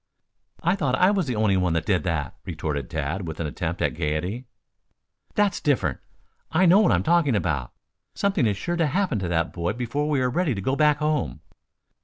"I thought I was the only one that did that," retorted Tad, with an attempt at gayety. "That's different. I know what I'm talking about. Something is sure to happen to that boy before we are ready to go back home."